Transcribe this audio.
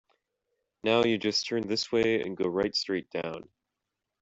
Now you just turn this way and go right straight down.